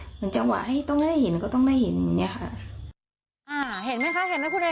เหมือนจังหวะให้ต้องได้เห็นก็ต้องได้เห็นอย่างเงี้ยค่ะอ่าเห็นไหมคะเห็นไหมคุณไอ